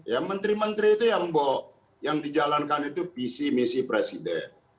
ya menteri menteri itu yang dijalankan itu visi misi presiden